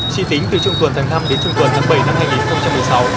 chỉ tính từ trung tuần tháng năm đến trung tuần tháng bảy năm hai nghìn một mươi sáu